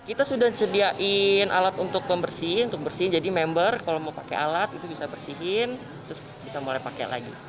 kita sudah sediain alat untuk pembersih untuk bersihin jadi member kalau mau pakai alat itu bisa bersihin terus bisa mulai pakai lagi